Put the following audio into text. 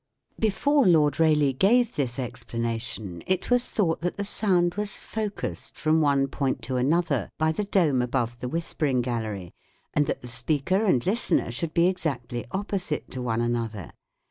Before Lord Rayleigh gave this explanation, it was thought that the sound was focused from one point to another by the dome above the ]!<;. 44 The "Whispering Gallery" Experiment. Whispering Gallery, and that the speaker and listener should be exactly opposite to one another.